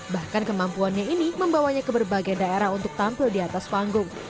bahkan kemampuannya ini membawanya ke berbagai daerah untuk tampil di atas panggung